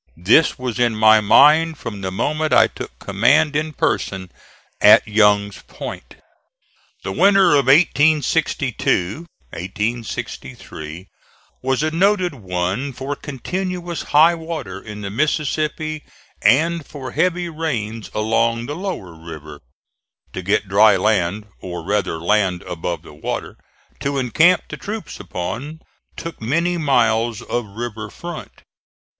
This was in my mind from the moment I took command in person at Young's Point. The winter of 1862 3 was a noted one for continuous high water in the Mississippi and for heavy rains along the lower river. To get dry land, or rather land above the water, to encamp the troops upon, took many miles of river front.